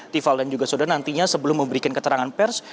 tival dan juga saudara nantinya sebelum memberikan keterangan pers